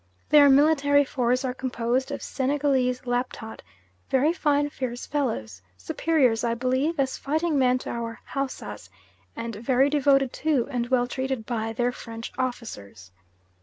Their military force are composed of Senegalese Laptot, very fine, fierce fellows, superior, I believe, as fighting men to our Hausas, and very devoted to, and well treated by, their French officers.